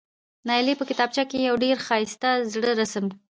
نایلې په کتابچه کې یو ډېر ښایسته زړه رسم و،